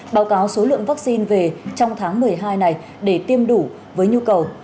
báo cáo số lượng vaccine về trong tháng một mươi hai này để tiêm đủ với nhu cầu